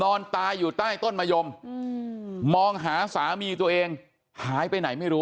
นอนตายอยู่ใต้ต้นมะยมมองหาสามีตัวเองหายไปไหนไม่รู้